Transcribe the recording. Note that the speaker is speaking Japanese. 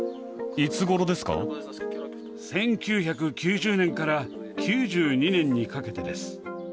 １９９０年から９２年にかけてです。